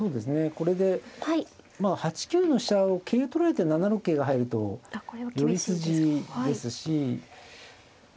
これでまあ８九の飛車を桂で取られて７六桂が入ると寄り筋ですしま